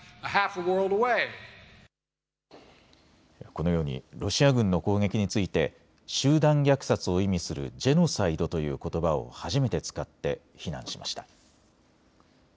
このようにロシア軍の攻撃について集団虐殺を意味するジェノサイドということばを初めて使って非難しました。